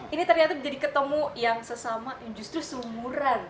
ini ternyata jadi ketemu yang sesama yang justru seumuran